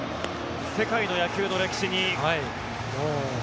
世界の野球の歴史に。